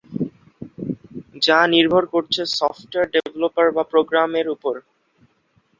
যা নির্ভর করছে সফটওয়্যার ডেভেলপার বা প্রোগ্রামের উপর।